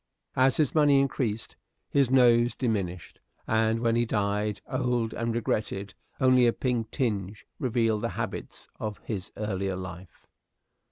As his money increased, his nose diminished, and when he died, old and regretted, only a pink tinge revealed the habits of his earlier life.